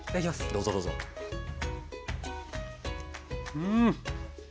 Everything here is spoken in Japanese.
うん！